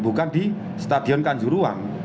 bukan di stadion kanjur uang